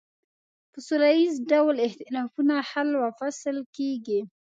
په سوله ایز ډول اختلافونه حل و فصل کیږي.